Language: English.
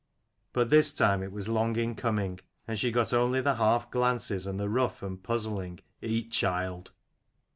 But this time it was long in coming: and she got only the half glances and the rough and puzzling " Eat, child."